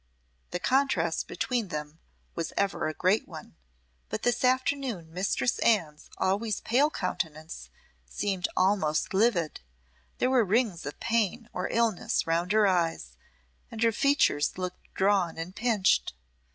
The contrast between them was ever a great one; but this afternoon Mistress Anne's always pale countenance seemed almost livid, there were rings of pain or illness round her eyes, and her features looked drawn and pinched.